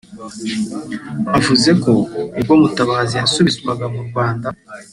bavuze ko ubwo Mutabazi yasubizwaga mu Rwanda